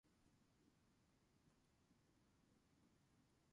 Later that night he was pinned by Mike Awesome in the semifinals.